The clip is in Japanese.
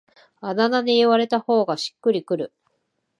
あだ名で言われた方がしっくりくる